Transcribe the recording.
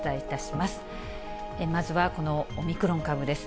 まずはこのオミクロン株です。